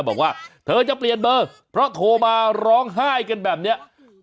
บอกว่าเธอจะเปลี่ยนเบอร์เพราะโทรมาร้องไห้กันแบบนี้